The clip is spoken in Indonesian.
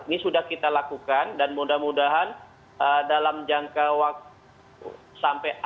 ini sudah kita lakukan dan mudah mudahan dalam jangka waktu sampai akhir